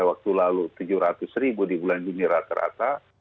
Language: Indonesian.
waktu lalu tujuh ratus ribu di bulan juni rata rata